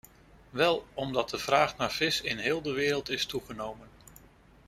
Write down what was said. Wel, omdat de vraag naar vis in heel de wereld is toegenomen.